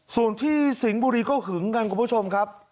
ส่วนที่สิงห์บุรีก็หึงกันคุณผู้ชมครับ